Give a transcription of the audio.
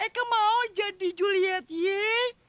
eke mau jadi juliet yee